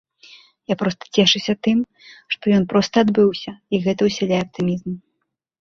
Я проста цешуся тым, што ён проста адбыўся, і гэта ўсяляе аптымізм.